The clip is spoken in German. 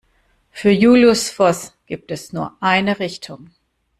Für Julius Voß gibt es nur eine Richtung.